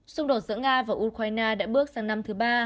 xung đột giữa nga và ukraine đã bước sang năm thứ ba